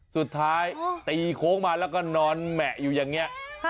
สุดท้ายตีโค้งมาแล้วก็นอนแหมะอยู่อย่างนี้